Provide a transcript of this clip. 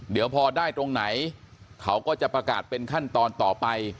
เดี๋ยวพอได้ตรงไหนเขาก็จะประกาศเป็นขั้นตอนต่อไป